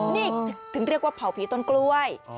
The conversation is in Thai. นี่ถึงเรียกว่าเผาผีต้นกล้วย